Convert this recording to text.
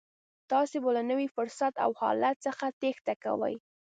تاسې به له نوي فرصت او حالت څخه تېښته کوئ.